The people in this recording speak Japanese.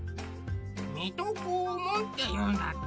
「水戸黄門」っていうんだって。